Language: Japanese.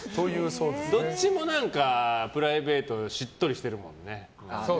どっちもプライベートしっとりしてるもんね。